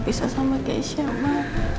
pisah sama keisha mak